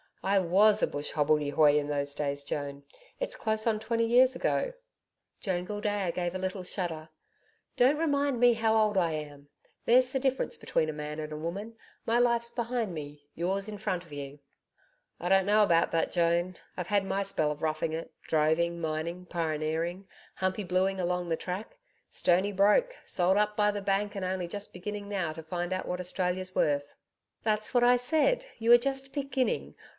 I WAS a bush hobbledehoy in those days, Joan. It's close on twenty years ago.' Joan Gildea gave a little shudder. 'Don't remind me how old I am. There's the difference between a man and a woman. My life's behind me: yours in front of you.' 'I don't know about that, Joan. I've had my spell of roughing it droving, mining, pioneering humping bluey along the track stoney broke: sold up by the bank and only just beginning now to find out what Australia's worth.' 'That's what I said you are just beginning.